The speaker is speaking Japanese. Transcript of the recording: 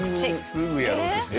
すぐやろうとしてる。